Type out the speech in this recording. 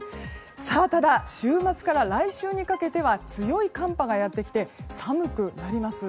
ただ、週末から来週にかけては強い寒波がやってきて寒くなります。